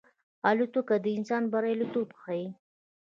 الوتکه د انسان بریالیتوب ښيي.